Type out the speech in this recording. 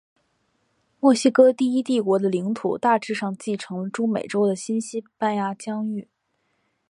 墨西哥第一帝国的领土大致上继承了中美洲的新西班牙疆域。